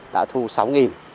đã thu sáu nghìn